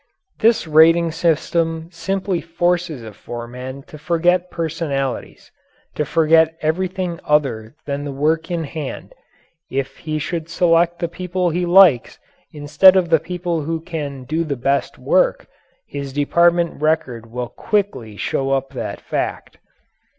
This rating system simply forces a foreman to forget personalities to forget everything other than the work in hand. If he should select the people he likes instead of the people who can best do the work, his department record will quickly show up that fact.